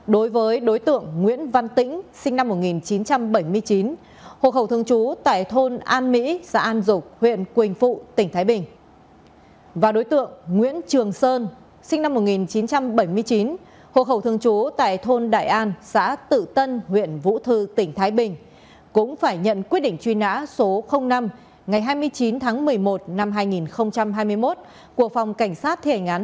liên quan đến tội đánh bạc công an huyện quỳnh phụ tỉnh thái bình đã ra quyết định truy nã số sáu ngày năm tháng năm năm hai nghìn hai mươi